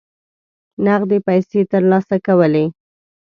نغدي پیسې ترلاسه کولې.